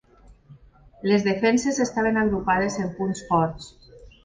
Les defenses estaven agrupades en punts forts.